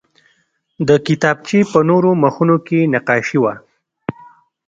د کتابچې په نورو مخونو کې نقاشي وه